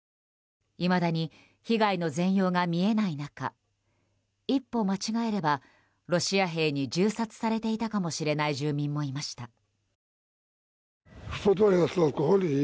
いまだに被害の全容が見えない中一歩間違えればロシア兵に銃殺されていたかもしれない住民もいました。